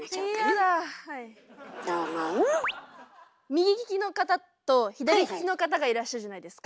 右利きの方と左利きの方がいらっしゃるじゃないですか。